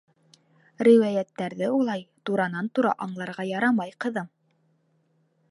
- Риүәйәттәрҙе улай туранан- тура аңларға ярамай, ҡыҙым.